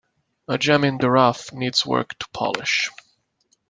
A gem in the rough needs work to polish.